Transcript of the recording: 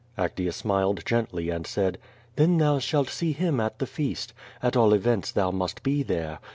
Actea smiled gently, and said: "Then thou shalt see him at the feast. At all events, thou must be there.